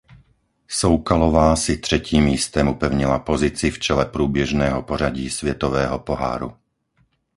Soukalová si třetím místem upevnila pozici v čele průběžného pořadí světového poháru.